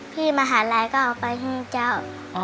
พี่มหาลัยก็ออกไปให้เจ้า